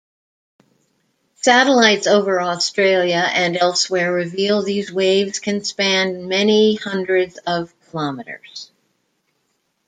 Satellites over Australia and elsewhere reveal these waves can span many hundreds of kilometers.